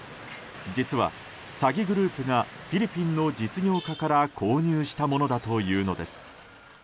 実は、詐欺グループがフィリピンの実業家から購入したものだというのです。